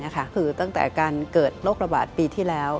คือตั้งแต่การเกิดโรคระบาดปีที่แล้ว